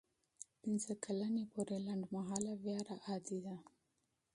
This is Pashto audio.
پنځه کلنۍ پورې لنډمهاله ویره عادي ده.